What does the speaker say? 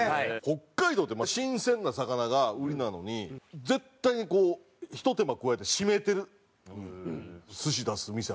北海道ってまあ新鮮な魚が売りなのに絶対にこうひと手間加えて締めてる寿司出す店あるんですよ。